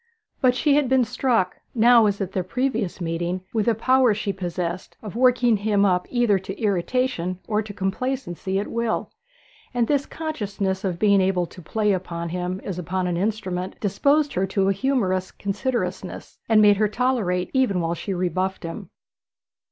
But she had been struck, now as at their previous meeting, with the power she possessed of working him up either to irritation or to complacency at will; and this consciousness of being able to play upon him as upon an instrument disposed her to a humorous considerateness, and made her tolerate even while she rebuffed him.